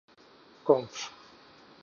Conf